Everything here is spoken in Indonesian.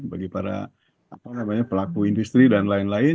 bagi para pelaku industri dan lain lain